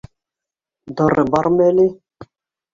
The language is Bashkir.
— Дары бармы әле?